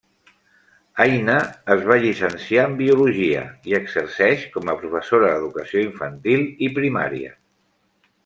Aina es va llicenciar en Biologia i exerceix com a professora d'educació infantil i primària.